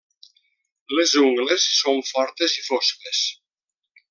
Les ungles són fortes i fosques.